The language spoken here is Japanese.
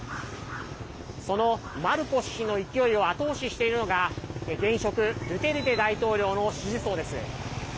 そのマルコス氏の勢いを後押ししているのが現職、ドゥテルテ大統領の支持層です。